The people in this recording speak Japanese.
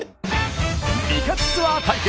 美活ツアー対決。